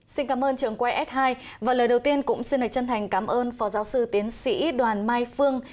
xin cảm ơn trưởng qs hai và lời đầu tiên cũng xin lời chân thành cảm ơn phó giáo sư tiến sĩ đoàn mai phương